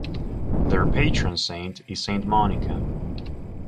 Their patron saint is Saint Monica.